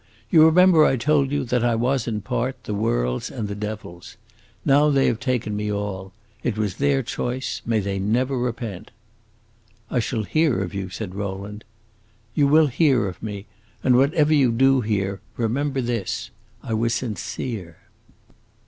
You remember I told you that I was, in part, the world's and the devil's. Now they have taken me all. It was their choice; may they never repent!" "I shall hear of you," said Rowland. "You will hear of me. And whatever you do hear, remember this: I was sincere!"